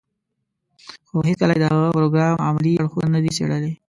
خو هېڅکله يې د هغه پروګرام عملي اړخونه نه دي څېړلي.